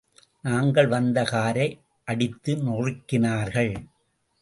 நாங்கள் வந்த காரை அடித்து நொறுக்கினார்கள்.